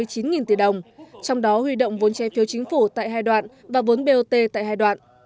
đầu tư gần hai mươi chín tỷ đồng trong đó huy động vốn che phiếu chính phủ tại hai đoạn và vốn bot tại hai đoạn